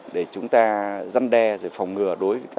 để chúng ta dăn đe rồi phòng ngừa